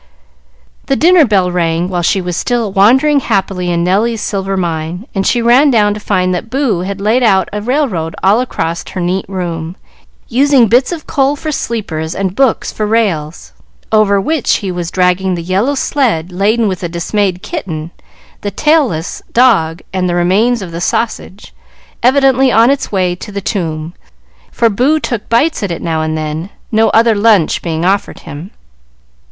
The dinner bell rang while she was still wandering happily in "Nelly's Silver Mine," and she ran down to find that Boo had laid out a railroad all across her neat room, using bits of coal for sleepers and books for rails, over which he was dragging the yellow sled laden with a dismayed kitten, the tailless dog, and the remains of the sausage, evidently on its way to the tomb, for Boo took bites at it now and then, no other lunch being offered him.